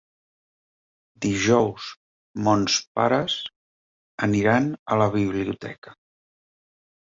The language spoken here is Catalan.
Dijous mons pares aniran a la biblioteca.